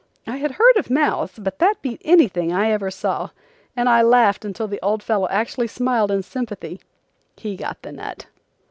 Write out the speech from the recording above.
I had heard of mouths, but that beat anything I ever saw, and I laughed until the old fellow actually smiled in sympathy. He got the nut!